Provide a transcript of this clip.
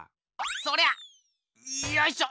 そりゃよいしょ。